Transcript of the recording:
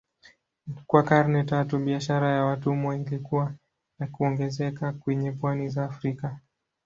Kwa karne tatu biashara ya watumwa ilikua na kuongezeka kwenye pwani za Afrika.